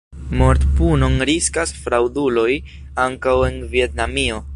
Mortpunon riskas fraŭduloj ankaŭ en Vjetnamio.